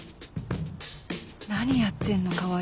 何やってんの川合